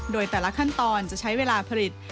โดยแต่ละขั้นตอนจะใช้เวลาผลิต